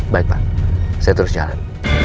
baik pak saya terus jalan